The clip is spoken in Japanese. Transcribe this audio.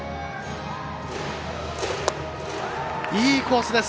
いいコースです。